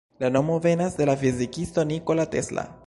La nomo venas de la fizikisto Nikola Tesla.